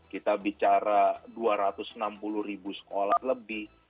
kita bicara dua ratus enam puluh ribu sekolah lebih